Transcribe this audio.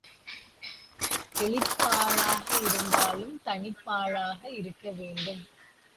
எலிப் பாழாக இருந்தாலும் தனிப் பாழாக இருக்க வேண்டும்.